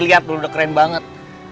liat udah keren banget